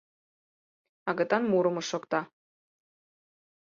Агытан мурымо шокта.